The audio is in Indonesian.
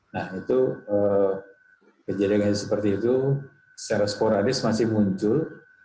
nah itu kejadian seperti itu secara sporadis masih muncul